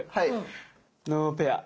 ノーペア！